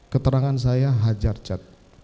keterangan saya hajar chad